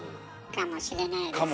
かもしれないですよね。